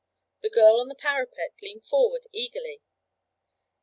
The girl on the parapet leaned forward eagerly.